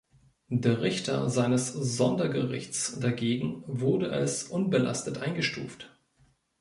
Der Richter seines Sondergerichts dagegen wurde als „unbelastet“ eingestuft.